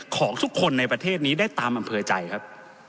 ของทุกคนในประเทศนี้ได้ตามอำเภอใจครับ